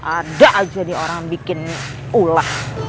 ada aja nih orang bikin ulah